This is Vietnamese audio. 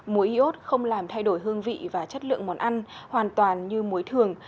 muối y ốt không làm thay đổi hương vị và chất lượng món ăn hoàn toàn như muối thường